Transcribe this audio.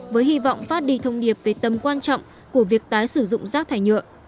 với hy vọng phát đi thông điệp về tầm quan trọng của việc tái sử dụng rác thải nhựa